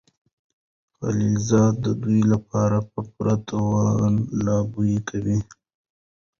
خلیلزاد د دوی لپاره په پوره توان لابي کوله.